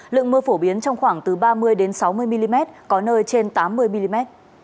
lượng mưa phổ biến trong khoảng từ ba mươi sáu mươi mm có nơi trên tám mươi mm